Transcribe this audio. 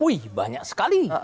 wih banyak sekali